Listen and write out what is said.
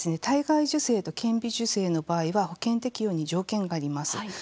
体外受精と顕微授精の場合は保険適用に条件があります。